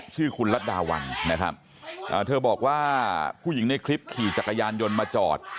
ชื่อคุณรัฐดาวันนะครับเธอบอกว่าผู้หญิงในคลิปขี่จักรยานยนต์มาจอด